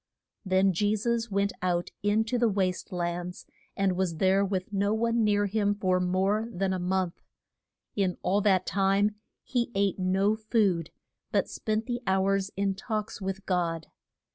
Then Je sus went out in to the waste lands, and was there with no one near him for more than a month. In all that time he ate no food, but spent the hours in talks with God.